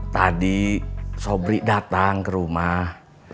tadi sobri datang ke rumah